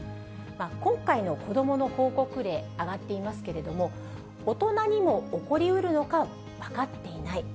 今回の子どもの報告例、上がっていますけれども、大人にも起こりうるのか分かっていない。